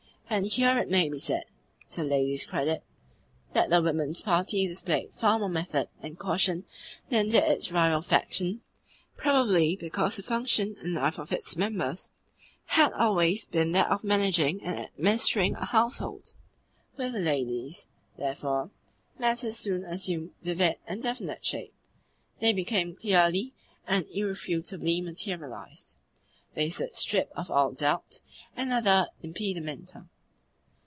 And here it may be said (to the ladies' credit) that the women's party displayed far more method and caution than did its rival faction, probably because the function in life of its members had always been that of managing and administering a household. With the ladies, therefore, matters soon assumed vivid and definite shape; they became clearly and irrefutably materialised; they stood stripped of all doubt and other impedimenta.